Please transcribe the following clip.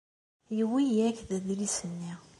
Yewwi-yak-d adlis-nni.